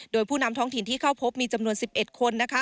โดยผู้นำท้องถิ่นที่เข้าพบมีจำนวน๑๑คน